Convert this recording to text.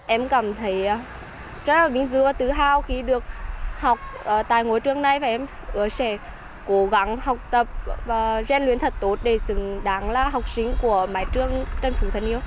em cảm thấy rất là vinh dự và tự hào khi được học tại ngôi trường này và em ứ sẽ cố gắng học tập và gian luyện thật tốt để xứng đáng là học sinh của mái trường trần phú thân yêu